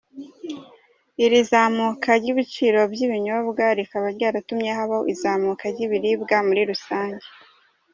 Iri zamuka ry’ibiciro by’ibinyobwa rikaba ryaratumye habaho izamuka ry’ibiribwa muri rusange.